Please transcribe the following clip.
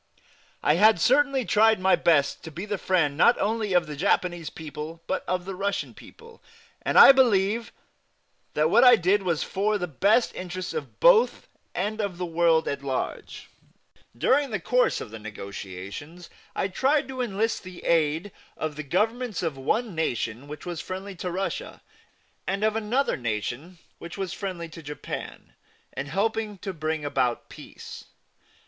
I had certainly tried my best to be the friend not only of the Japanese people but of the Russian people, and I believe that what I did was for the best interests of both and of the world at large. During the course of the negotiations I tried to enlist the aid of the Governments of one nation which was friendly to Russia, and of another nation which was friendly to Japan, in helping bring about peace.